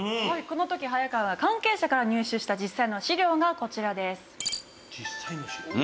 はいこの時早川が関係者から入手した実際の資料がこちらです。